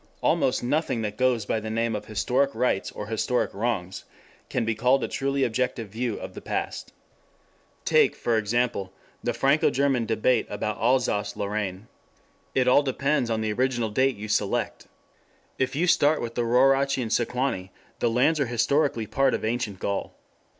Almost nothing that goes by the name of Historic Rights or Historic Wrongs can be called a truly objective view of the past. Take, for example, the Franco German debate about Alsace Lorraine. It all depends on the original date you select. If you start with the Rauraci and Sequani, the lands are historically part of Ancient Gaul.